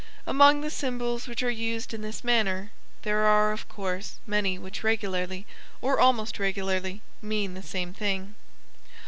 Among the symbols which are used in this manner there are of course many which regularly, or almost regularly, mean the same thing.